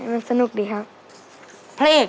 มันสนุกดิครับ